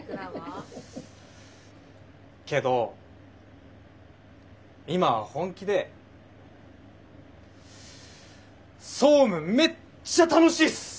けど今は本気で総務めっちゃ楽しいっす。